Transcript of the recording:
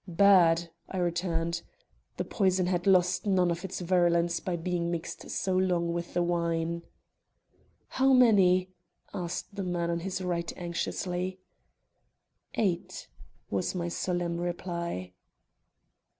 "Bad," I returned; "the poison had lost none of its virulence by being mixed so long with the wine." "How many?" asked the man on his right anxiously. "Eight," was my solemn reply.